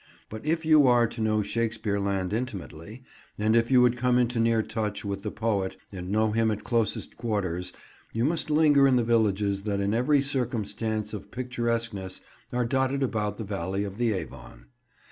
But if you are to know Shakespeare land intimately, and if you would come into near touch with the poet and know him at closest quarters, you must linger in the villages that in every circumstance of picturesqueness are dotted about the valley of the Avon.